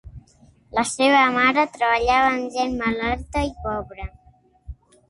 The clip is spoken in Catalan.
La seva mare treballava amb gent malalta i pobre.